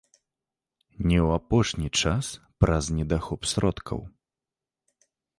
Не ў апошні час праз недахоп сродкаў.